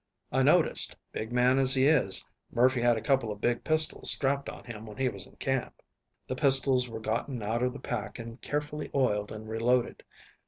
I noticed, big man as he is, Murphy had a couple of big pistols strapped on him when he was in camp." The pistols were gotten out of the pack and carefully oiled and reloaded.